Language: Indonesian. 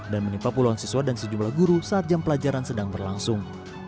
dan menimpa puluhan siswa dan sejumlah guru saat jam pelajaran sedang berlangsung